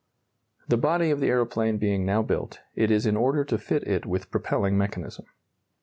The body of the aeroplane being now built, it is in order to fit it with propelling mechanism.